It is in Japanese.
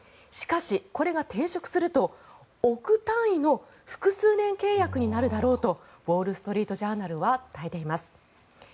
しかし、これが転職すると億単位の複数年契約になるだろうとウォール・ストリート・ジャーナルは伝えています。